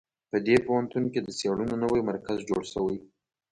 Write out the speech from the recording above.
په دې پوهنتون کې د څېړنو نوی مرکز جوړ شوی